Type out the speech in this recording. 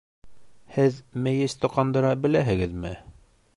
Һеҙ мейес тоҡандыра беләһегеҙме?